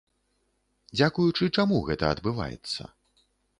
Дзякуючы чаму гэта адбываецца?